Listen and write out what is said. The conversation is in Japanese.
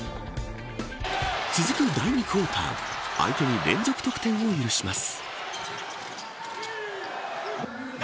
続く第２クオーター相手に連続得点を許します。